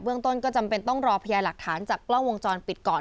เรื่องต้นก็จำเป็นต้องรอพยาหลักฐานจากกล้องวงจรปิดก่อน